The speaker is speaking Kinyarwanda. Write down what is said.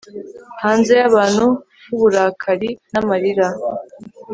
Hanze yahantu huburakari namarira